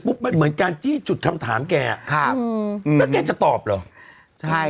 มันเหมือนการจี้จุดคำถามแกอ่ะครับอืมแล้วแกจะตอบเหรอใช่